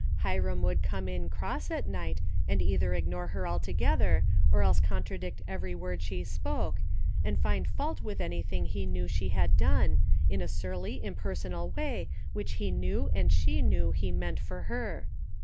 Hiram would come in cross at night and either ignore her altogether, or else contradict every word she spoke, and find fault with anything he knew she had done, in a surly, impersonal way, which he knew and she knew he meant for her.